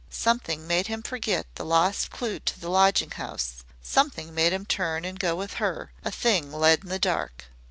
Something made him forget the lost clew to the lodging house something made him turn and go with her a thing led in the dark.